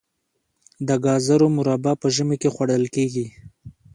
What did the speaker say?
د ګازرو مربا په ژمي کې خوړل کیږي.